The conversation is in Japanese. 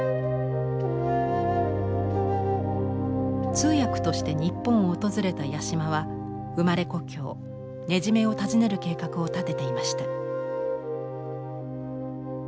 通訳として日本を訪れた八島は生まれ故郷根占を訪ねる計画を立てていました。